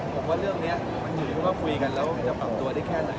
ผมว่าเรื่องนี้มันอยู่ที่ว่าคุยกันแล้วจะปรับตัวได้แค่ไหน